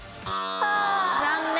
残念。